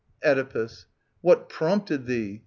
Oedipus. What prompted thee